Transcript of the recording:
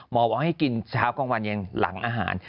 มอบว้างให้กินเช้ากลางวันเย็นหลังอาหาร